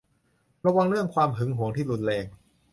ระวังเรื่องความหึงหวงที่รุนแรง